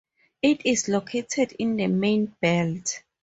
It is located in the Main Belt.